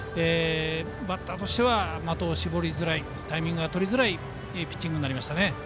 バッターとしては的を絞りづらいタイミングがとりづらいピッチングになりましたね。